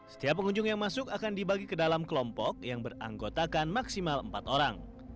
setiap pengunjung yang masuk akan dibagi ke dalam kelompok yang beranggotakan maksimal empat orang